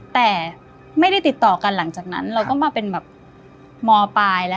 แต่ไม่ได้ติดต่อกันหลังจากนั้นเราก็มาเป็นแบบมปลายแล้ว